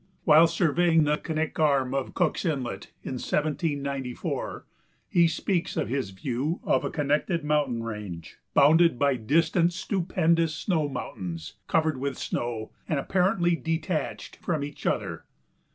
While surveying the Knik Arm of Cook's Inlet, in 1794, he speaks of his view of a connected mountain range "bounded by distant stupendous snow mountains covered with snow and apparently detached from each other."